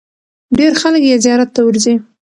ډېر خلک یې زیارت ته ورځي.